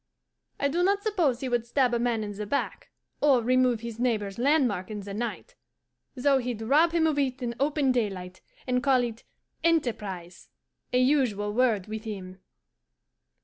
I do not suppose he would stab a man in the back, or remove his neighbour's landmark in the night, though he'd rob him of it in open daylight, and call it "enterprise" a usual word with him.